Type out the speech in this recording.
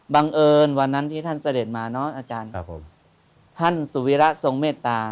เอิญวันนั้นที่ท่านเสด็จมาเนอะอาจารย์ครับผมท่านสุวิระทรงเมตตา